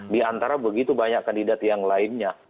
di antara begitu banyak kandidat yang lainnya